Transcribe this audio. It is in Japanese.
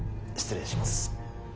失礼します。